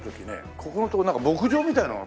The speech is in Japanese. ここのとこになんか牧場みたいなのが。